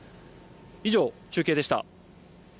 以上、中継でした。